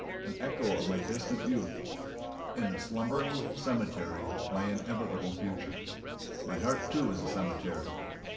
An echo of my distant youth. And the slumbering cemetery, my inevitable future. My heart too is a cemetery.